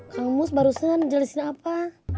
kamu sebarusan jelasin apa